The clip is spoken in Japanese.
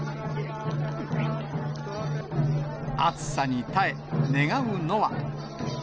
熱さに耐え、願うのは。